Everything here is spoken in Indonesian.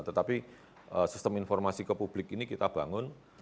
tetapi sistem informasi ke publik ini kita bangun